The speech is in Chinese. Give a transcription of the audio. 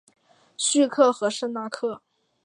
叙克和圣纳克。